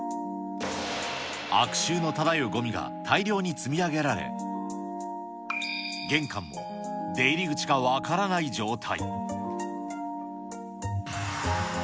悪臭の漂うごみが大量に積み上げられ、玄関も出入り口が分からない状態。